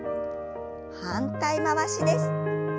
反対回しです。